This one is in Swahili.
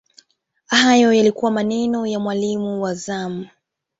hayo yalikuwa maneno ya mwalimu wa zamu